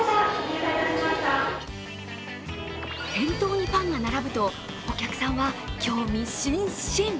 店頭にパンが並ぶとお客さんは興味津々。